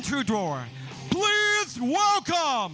มุกเหล็ก